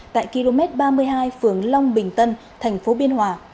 tại km ba mươi hai phường long bình tân thành phố biên hòa